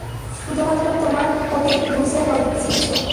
শুধুমাত্র তোমার কোটেই লুইসের রক্ত লেগে ছিল।